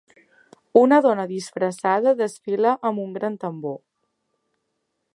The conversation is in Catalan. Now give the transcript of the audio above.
Una dona disfressada desfila amb un gran tambor.